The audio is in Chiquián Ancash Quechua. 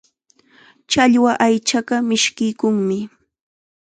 Challwa aychaqa mishkiykunmi.